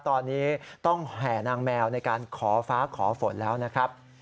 ตอนนี้ต้องแห่นางแมวในการขอฟ้าขอฝนแล้วนะครับ